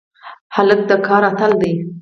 هلک د کار اتل دی.